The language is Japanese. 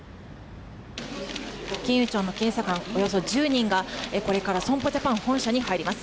金融庁の検査官およそ１０人がこれから損保ジャパン本社に入ります。